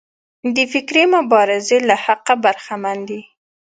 د فکري مبارزې له حقه برخمن دي.